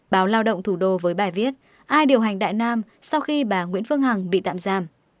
báo lao động thủ đô với bài viết ai điều hành đại nam sau khi bà nguyễn phương hằng bị tạm giam